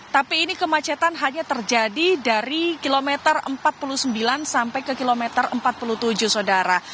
tapi ini kemacetan hanya terjadi dari kilometer empat puluh sembilan sampai ke kilometer empat puluh tujuh saudara